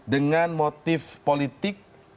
dengan motif politik